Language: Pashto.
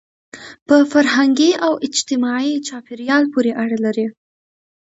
په فرهنګي او اجتماعي چاپېریال پورې اړه لري.